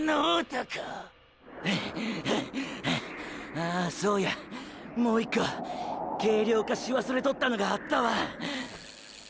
ああそうやも１コ軽量化し忘れとったのがあったわ。